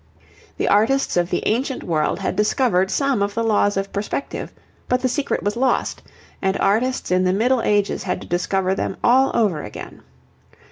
The artists of the ancient world had discovered some of the laws of perspective, but the secret was lost, and artists in the Middle Ages had to discover them all over again.